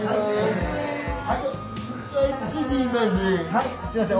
はいすいません